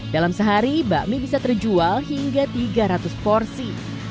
dalam sehari bakmi bisa terjual hingga tiga ratus porsi